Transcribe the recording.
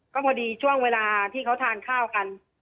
ก็พอดีช่วงเวลาที่เขาทานข้าวกัน